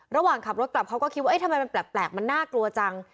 ระหว่างขับรถกลับเขาก็คิดว่าทำไมมันแปลกมันน่ากลัวจัง